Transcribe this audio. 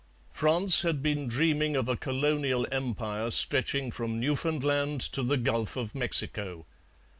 France had been dreaming of a colonial empire stretching from Newfoundland to the Gulf of Mexico.